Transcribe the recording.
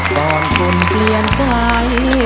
ก่อนคุณเปลี่ยนใจ